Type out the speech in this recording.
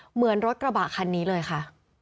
เหมือนรถกระบะคันนี้เลยค่ะ